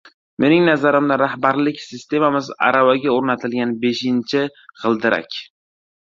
Mening nazarimda, rahbarlik sistemamiz aravaga o‘rnatilgan beshinchi g‘ildirak